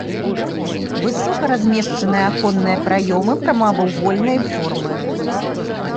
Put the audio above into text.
Высока размешчаныя аконныя праёмы прамавугольнай формы.